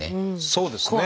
そうですね。